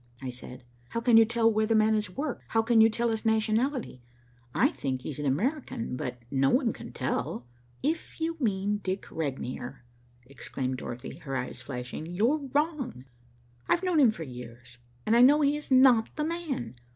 I said. "How can you tell where the man has worked? How can you tell his nationality? I think he is an American, but no one can tell." "If you mean Dick Regnier," exclaimed Dorothy, her eyes flashing, "you're wrong. I've known him for years, and I know he is not the man.